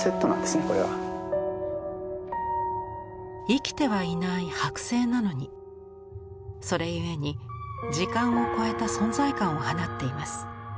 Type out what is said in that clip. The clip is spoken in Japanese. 生きてはいないはく製なのにそれゆえに時間を超えた存在感を放っています。